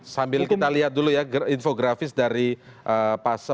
sambil kita lihat dulu ya infografis dari pasal